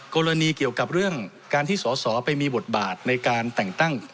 กรณีเกี่ยวกับเรื่องการที่สอสอไปมีบทบาทในการแต่งตั้ง